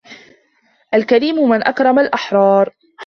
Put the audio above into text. الكريم من أكرم الأحرار